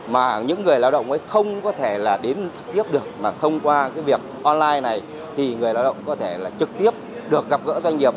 mà những người lao động không có thể đến trực tiếp được mà thông qua việc online này thì người lao động có thể trực tiếp được gặp gỡ doanh nghiệp